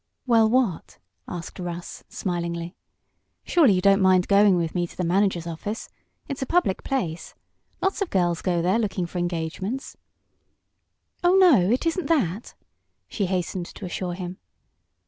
"Well, what?" asked Russ, smilingly. "Surely you don't mind going with me to the manager's office? It's a public place. Lots of girls go there, looking for engagements." "Oh, no, it isn't that!" she hastened to assure him.